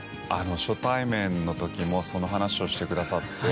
初対面のときもその話をしてくださって。